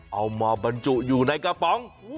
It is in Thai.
เอามาบรรจุอยู่ในกระป๋อง